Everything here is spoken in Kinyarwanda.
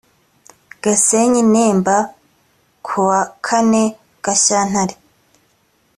gasenyi nemba kuwa kane gashyantare